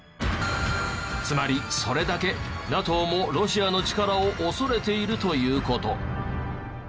つまりそれだけＮＡＴＯもロシアの力を恐れているという事。